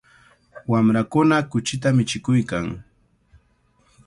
Wamrakuna kuchita michikuykan.